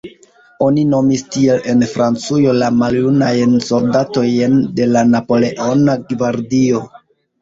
Oni nomis tiel, en Francujo, la maljunajn soldatojn de la Napoleona gvardio.